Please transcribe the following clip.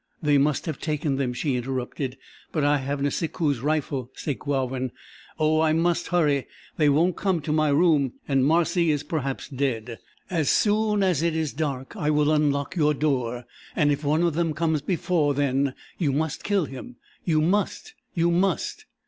"They must have taken them," she interrupted. "But I have Nisikoos' rifle, Sakewawin! Oh I must hurry! They won't come to my room, and Marcee is perhaps dead. As soon as it is dark I will unlock your door. And if one of them comes before then, you must kill him! You must! You must!"